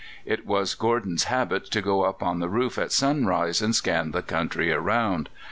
It was Gordon's habit to go up on the roof at sunrise and scan the country around.